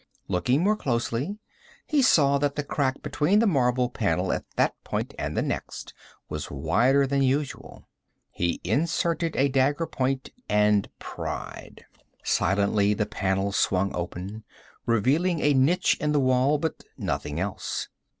Looking more closely he saw that the crack between the marble panel at that point and the next was wider than usual. He inserted a dagger point and pried. Silently the panel swung open, revealing a niche in the wall, but nothing else.